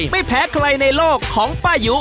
ไม่แพ้ใครในโลกของป้ายุ